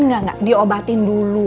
enggak enggak diobatin dulu